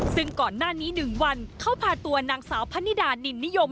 ซึ่งก่อนหน้านี้๑วันเขาพาตัวนางสาวพะนิดานินนิยม